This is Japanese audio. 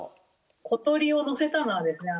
小鳥をのせたのはですね